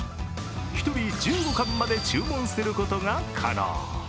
１人１５貫まで注文することが可能。